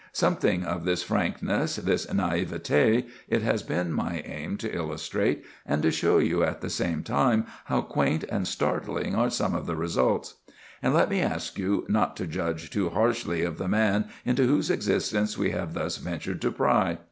Something of this frankness, this naïveté, it has been my aim to illustrate, and to show you at the same time how quaint and startling are some of the results. And let me ask you not to judge too harshly of the man into whose existence we have thus ventured to pry.